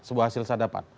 sebuah hasil sadapan